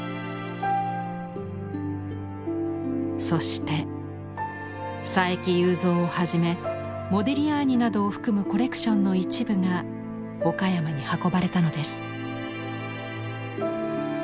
そして佐伯祐三をはじめモディリアーニなどを含むコレクションの一部が岡山に運ばれたのです。